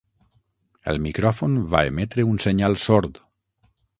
El micròfon va emetre un senyal sord.